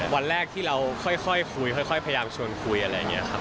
วันแรกที่เราค่อยคุยค่อยพยายามชวนคุยอะไรอย่างนี้ครับ